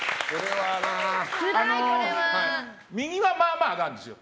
右は、まあまあ上がるんですよ。